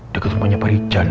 dekat rumahnya pak rijal